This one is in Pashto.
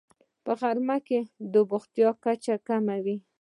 په غرمه کې د بوختیا کچه کمه وي